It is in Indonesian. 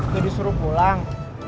jadi suruh pulang